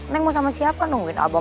neng mau sama siapa nungguin abang